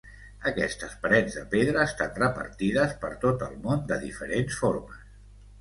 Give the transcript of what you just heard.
Aquestes parets de pedra estan repartides per tot el món de diferents formes.